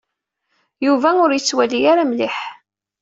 Yuba ur yettwali ara mliḥ.